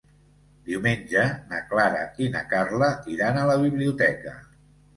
Diumenge na Clara i na Carla iran a la biblioteca.